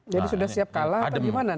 jadi sudah siap kalah atau bagaimana